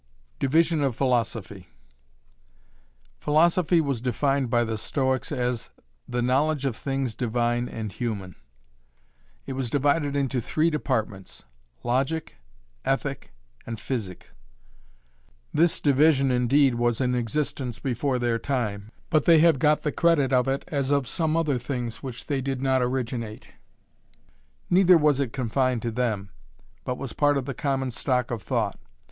DIVISION OF PHILOSOPHY. Philosophy was defined by the Stoics as 'the knowledge of things divine and human'. It was divided into three departments; logic, ethic, and physic. This division indeed was in existence before their time, but they have got the credit of it as of some other things which they did not originate. Neither was it confined to them, but was part of the common stock of thought.